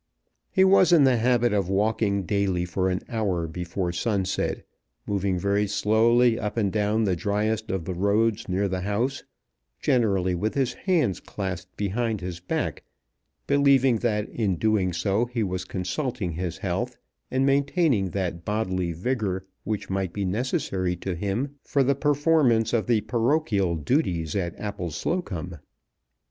He was in the habit of walking daily for an hour before sunset, moving very slowly up and down the driest of the roads near the house, generally with his hands clasped behind his back, believing that in doing so he was consulting his health, and maintaining that bodily vigour which might be necessary to him for the performance of the parochial duties at Appleslocombe.